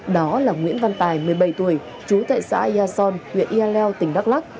đó là nguyễn văn tài một mươi bảy tuổi chú tại xã yasson huyện yaleo tỉnh đắk lắc